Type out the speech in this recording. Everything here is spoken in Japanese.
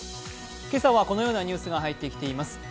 今朝はこのようなニュースが入ってきています。